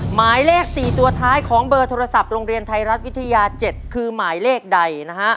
หมายเลข๔ตัวท้ายของเบอร์โทรศัพท์โรงเรียนไทยรัฐวิทยา๗คือหมายเลขใดนะฮะ